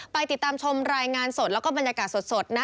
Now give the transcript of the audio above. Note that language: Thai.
ไปติดตามชมรายงานสดแล้วก็บรรยากาศสด